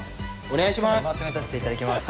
お願いします！